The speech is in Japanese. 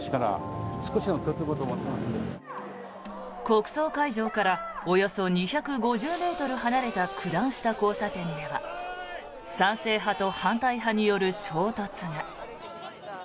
国葬会場からおよそ２５０ｍ離れた九段下交差点では賛成派と反対派による衝突が。